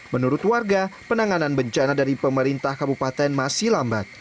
menurut warga penanganan bencana dari pemerintah kabupaten masih lambat